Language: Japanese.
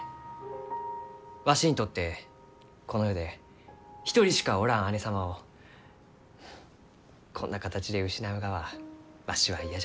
わしにとってこの世で一人しかおらん姉様をこんな形で失うがはわしは嫌じゃ。